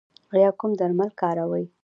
ایا کوم درمل کاروئ؟